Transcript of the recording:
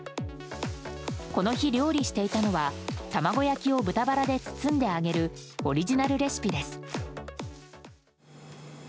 この日、料理していたのは卵焼きを豚バラで包んで揚げるオリジナルレシピです。